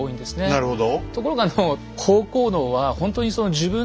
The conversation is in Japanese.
なるほど。